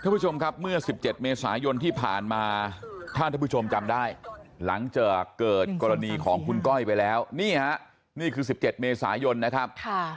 คุณผู้ชมครับเมื่อ๑๗เมษายนที่ผ่านมาถ้าท่านผู้ชมจำได้หลังจากเกิดกรณีของคุณก้อยไปแล้วนี่ฮะนี่คือ๑๗เมษายนนะครับ